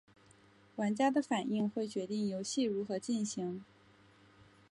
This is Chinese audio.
玩家的反应会决定游戏如何进行。